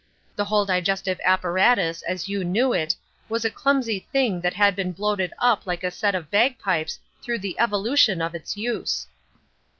The whole digestive apparatus, as you knew it, was a clumsy thing that had been bloated up like a set of bagpipes through the evolution of its use!"